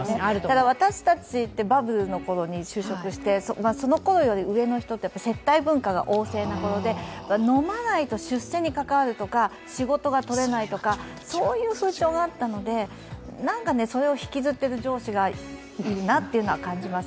ただ、私たちってバブルのころに就職して、そのころより上の人は接待文化が旺盛なころで、飲まないと出世に関わるとか、仕事が取れないという風潮があったので、それを引きずっている上司がいるなという感じはします。